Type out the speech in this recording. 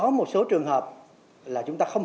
có một số trường hợp là chúng ta không